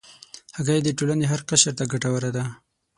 هګۍ د ټولنې هر قشر ته ګټوره ده.